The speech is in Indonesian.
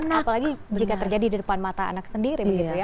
apalagi jika terjadi di depan mata anak sendiri